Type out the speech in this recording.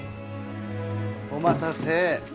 お待たせ。